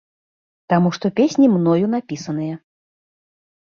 Таму што песні мною напісаныя.